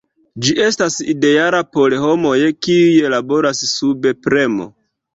Ĝi estas ideala por homoj kiuj laboras sub premo.